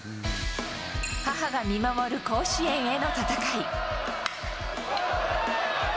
母が見守る甲子園への戦い。